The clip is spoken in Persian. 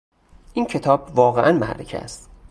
این کتاب واقعا معرکه است.